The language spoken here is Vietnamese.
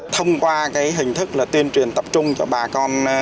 thông qua hình thức là tuyên truyền tập trung cho bà con